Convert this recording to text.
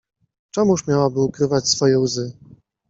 Czemuż miałaby ukrywać swoje łzy?